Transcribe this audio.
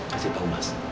kasih tau mas